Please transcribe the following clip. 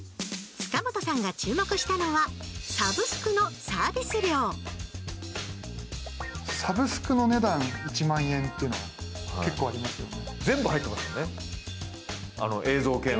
塚本さんが注目したのはサブスクのサービス料サブスクの値段１万円っていうのが結構ありますよね。